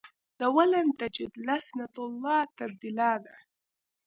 دا ولن تجد لسنة الله تبدیلا ده.